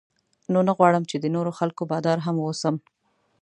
نو نه غواړم چې د نورو خلکو بادار هم واوسم.